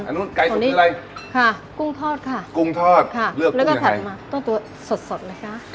อันนู้นใกล้สุดเป็นอะไรค่ะกุ้งทอดค่ะกุ้งทอดค่ะแล้วก็ถัดมาตัวตัวสดสดเลยค่ะ